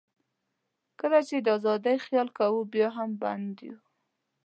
کله چې د آزادۍ خیال کوو، بیا هم بند یو.